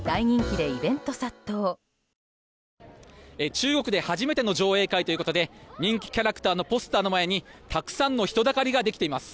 中国で初めての上映会ということで人気キャラクターのポスターの前にたくさんの人だかりができています。